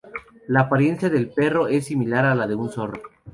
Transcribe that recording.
La apariencia del perro es similar a la de un zorro.